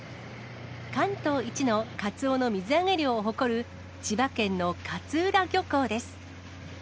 関東一のカツオの水揚げ量を誇る、千葉県の勝浦漁港です。